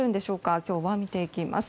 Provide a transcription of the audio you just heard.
今日は見ていきます。